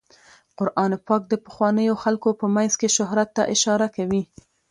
قرآن پاک د پخوانیو خلکو په مینځ کې شهرت ته اشاره کوي.